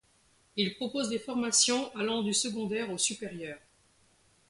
Il propose des formations allant du secondaire au supérieur.